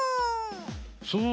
そう。